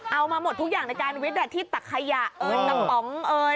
เอามาหมดทุกอย่างในการวิทยาที่ตักขยะน้ำป๋อง